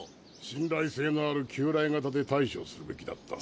信らい性のある旧来型で対処するべきだった。